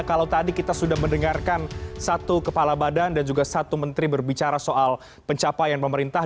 kalau tadi kita sudah mendengarkan satu kepala badan dan juga satu menteri berbicara soal pencapaian pemerintah